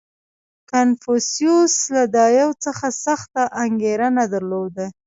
• کنفوسیوس له دایو څخه سخته انګېرنه درلوده.